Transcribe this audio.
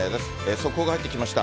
速報が入ってきました。